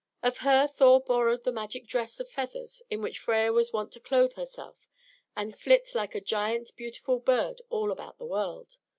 Of her Thor borrowed the magic dress of feathers in which Freia was wont to clothe herself and flit like a great beautiful bird all about the world.